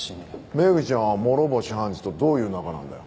メグちゃんは諸星判事とどういう仲なんだよ？